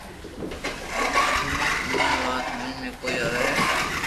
ٿني اجھو وات ھمج ۾ ڪوئي آوي ھي